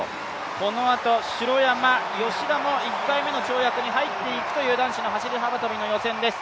このあと城山、吉田も、１回目の跳躍に入っていく男子走幅跳の予選です。